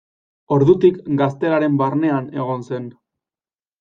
Ordutik Gaztelaren barnean egon zen.